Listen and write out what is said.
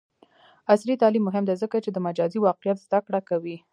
عصري تعلیم مهم دی ځکه چې د مجازی واقعیت زدکړه کوي.